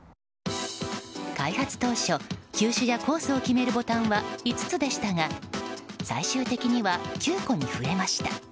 開発当初球種やコースを決めるボタンは５つでしたが最終的には９個に増えました。